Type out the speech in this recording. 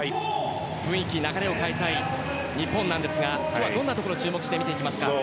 雰囲気、流れを変えたい日本ですが今日はどんなところ注目しますか？